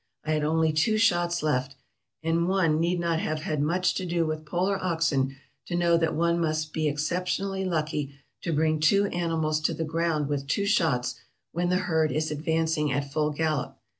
I had only two shots left; and one need not have had much to do with polar oxen to know that one must be exceptionally lucky to bring two animals to the ground with two shots when the herd is advanc ing at full gallop.